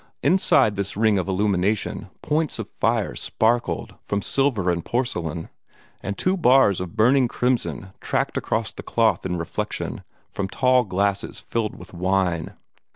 Inside this ring of illumination points of fire sparkled from silver and porcelain, and two bars of burning crimson tracked across the cloth in reflection from tall glasses filled with wine.